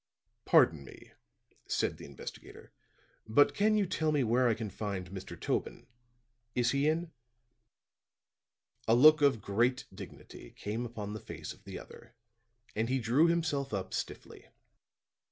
"Pardon me," said the investigator, "but can you tell me where I can find Mr. Tobin? Is he in?" A look of great dignity came upon the face of the other; and he drew himself up stiffly.